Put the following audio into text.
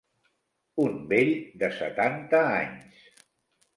Un vell de setanta anys.